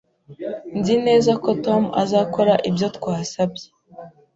Nzi neza ko Tom azakora ibyo twasabye